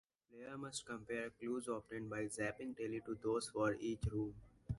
The player must compare clues obtained by zapping Telly to those for each room.